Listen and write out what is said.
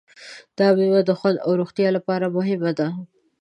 دا مېوه د خوند او روغتیا لپاره مهمه ده.